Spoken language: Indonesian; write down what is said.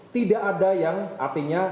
tidak ada yang artinya